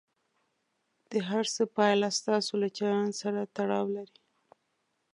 د هر څه پایله ستاسو له چلند سره تړاو لري.